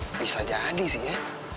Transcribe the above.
ya bisa jadi sih ya